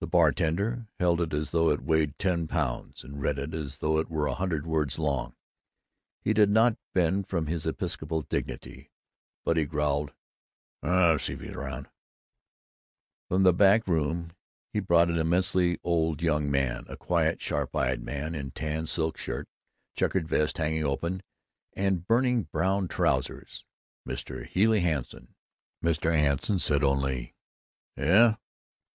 The bartender held it as though it weighed ten pounds, and read it as though it were a hundred words long. He did not bend from his episcopal dignity, but he growled, "I'll see if he's around." From the back room he brought an immensely old young man, a quiet sharp eyed man, in tan silk shirt, checked vest hanging open, and burning brown trousers Mr. Healey Hanson. Mr. Hanson said only "Yuh?"